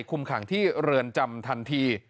คุมขังที่เรือนจำทันที